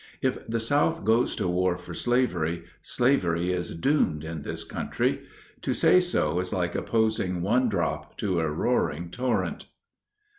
If the South goes to war for slavery, slavery is doomed in this country. To say so is like opposing one drop to a roaring torrent.